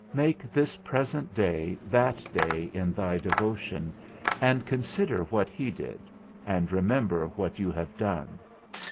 Make this present day that day in thy devotion, and consider what he did, and remember what you have done.